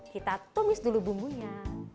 kita tumis dulu bumbunya